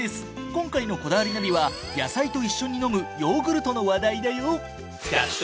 今回の『こだわりナビ』は野菜と一緒にのむヨーグルトの話題だよ。